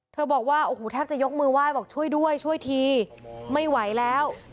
บอกว่าโอ้โหแทบจะยกมือไหว้บอกช่วยด้วยช่วยทีไม่ไหวแล้ว